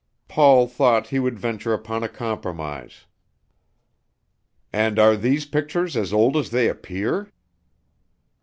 Paul thought he would venture upon a compromise. "And are these pictures as old as they appear?"